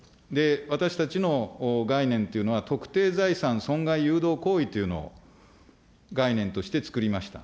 私たちの概念というのは、特定財産損害誘導行為というのを概念として作りました。